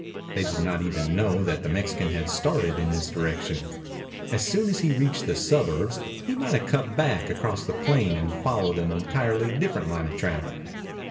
They did not even know that the Mexican had started in this direction. As soon as he reached the suburbs, he might have cut back across the plain and followed an entirely different line of travel.